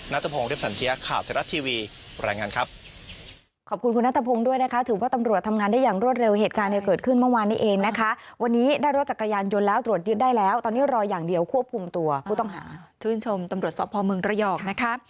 นัทพงศ์เรฟสันเทียข่าวเทศรัทย์ทีวีรายงานครับ